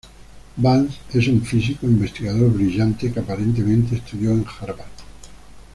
Vance es un físico e investigador brillante, que aparentemente estudió en Harvard.